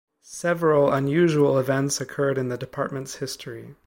Several unusual events occurred in the department's history.